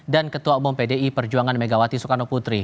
dan ketua umum pdi perjuangan megawati soekarno putri